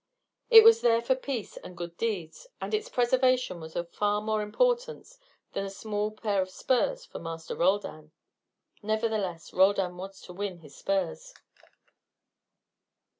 It was there for peace and good deeds, and its preservation was of far more importance than a small pair of spurs for Master Roldan. Nevertheless, Roldan was to win his spurs.